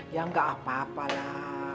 ya nggak apa apa lah